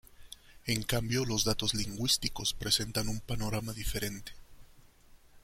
En cambio, los datos lingüísticos presentan un panorama diferente.